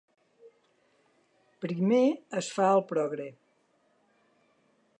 Primer es fa el progre.